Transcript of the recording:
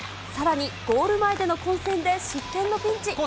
さらに、ゴール前での混戦で失点のピンチ。